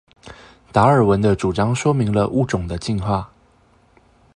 達爾文的主張說明了物種的進化